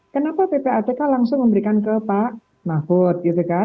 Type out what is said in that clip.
kenapa ppatk langsung memberikan ke pak mahfud